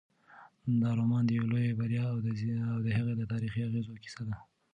دا رومان د یوې لویې بریا او د هغې د تاریخي اغېزو کیسه ده.